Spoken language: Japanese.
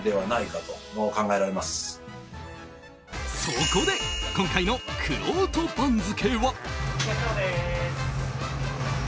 そこで今回のくろうと番付は。